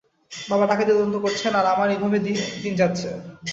বাবা ডাকাতি তদন্ত করছেন, আর আমার এইভাবে দিন যাচ্ছে।